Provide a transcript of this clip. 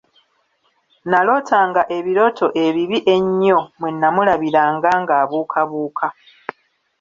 Nalootanga ebirooto ebibi ennyo mwe namulabiranga ng'abuukabuuka.